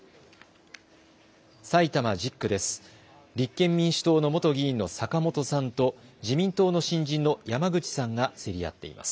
立憲民主党の元議員の坂本さんと自民党の新人の山口さんが競り合っています。